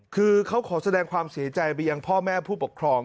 คือเขาขอแสดงความเสียใจไปยังพ่อแม่ผู้ปกครอง